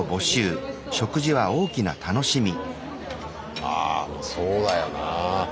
あそうだよなあ。